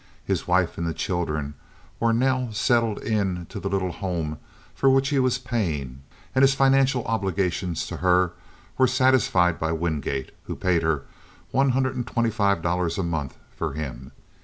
His wife and the children were now settled in the little home for which he was paying, and his financial obligations to her were satisfied by Wingate, who paid her one hundred and twenty five dollars a month for him.